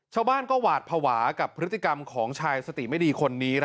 ชาวบ้านก็หวาดภาวะกับพฤติกรรมของชายสติไม่ดีคนนี้